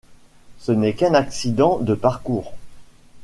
Ce n'est qu'un accident de parcours.